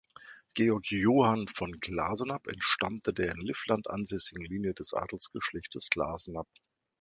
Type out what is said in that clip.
Georg Johann von Glasenapp entstammte der in Livland ansässigen Linie des Adelsgeschlechts Glasenapp.